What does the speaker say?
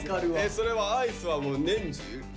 それはアイスは年中？